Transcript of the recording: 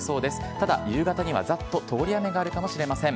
ただ、夕方にはざっと通り雨があるかもしれません。